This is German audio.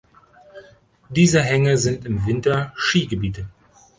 Diese Hänge sind im Winter Skigebiete.